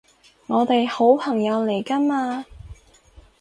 我哋好朋友嚟㗎嘛